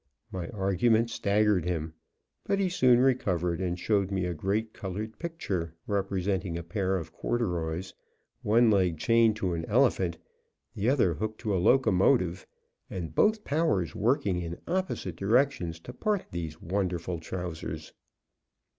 My argument staggered him, but he soon recovered, and showed me a great colored picture, representing a pair of corduroys, one leg chained to an elephant, the other hooked to a locomotive, and both powers working in opposite directions to part those wonderful trousers.